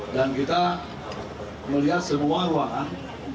dan kita melihat semua ruangan